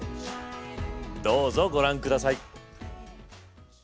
どうぞご覧下さい！